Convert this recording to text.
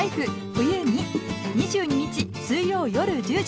冬．２」２２日水曜夜１０時。